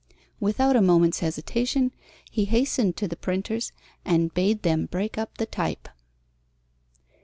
Without a moment's hesitation he hastened to the printers and bade them break up the type.